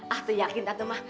ah tuh yakin atau mah